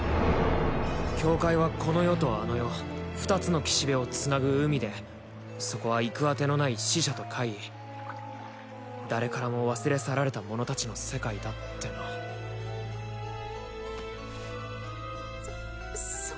境界はこの世とあの世二つの岸辺をつなぐ海でそこは行くあてのない死者と怪異誰からも忘れ去られたモノ達の世界だってなそ